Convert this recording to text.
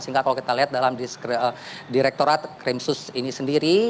sehingga kalau kita lihat dalam direktorat krimsus ini sendiri